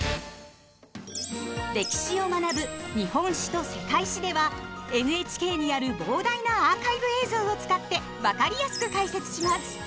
歴史を学ぶ「日本史」と「世界史」ではＮＨＫにある膨大なアーカイブ映像を使って分かりやすく解説します。